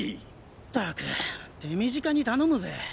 ったく手短に頼むぜ。